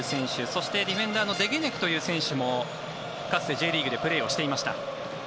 そして、ディフェンダーのデゲネクという選手もかつてＪリーグでプレーをしていました。